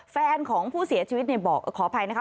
แฟนของผู้เสียชีวิตเนี่ยบอกขออภัยนะคะ